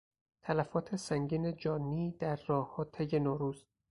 تلفات سنگین جانی در راهها طی نوروز